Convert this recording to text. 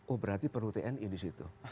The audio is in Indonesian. oh berarti perlu tni disitu